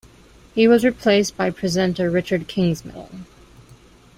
He was replaced by presenter Richard Kingsmill.